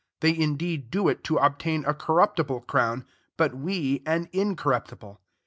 They indeed do it to obtain a corruptible crown, but we an incorruptible.